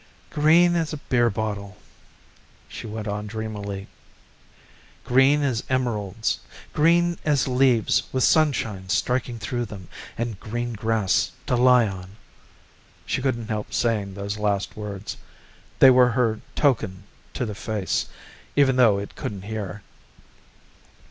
"Green as a beer bottle," she went on dreamily, "green as emeralds, green as leaves with sunshine striking through them and green grass to lie on." She couldn't help saying those last words. They were her token to the face, even though it couldn't hear.